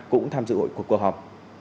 cũng tham dự hội cuộc họp